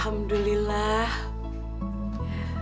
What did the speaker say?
warungku sudah mulai ramai lagi